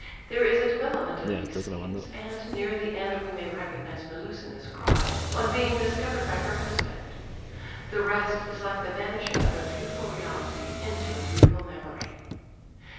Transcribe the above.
There is a development of these themes; and "near the end we may recognize [Melusina's] cries on being discovered by her husband. The rest is like the vanishing of a beautiful reality into a beautiful memory."